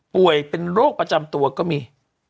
ป่วยเป็นโรคประจำตัวก็มี